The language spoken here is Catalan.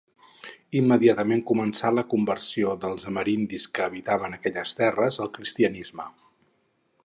Immediatament començà la conversió dels amerindis que habitaven aquelles terres al cristianisme.